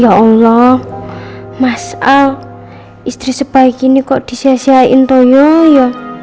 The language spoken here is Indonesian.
ya allah mas al istri sebaik ini kok disiasiain toyo ya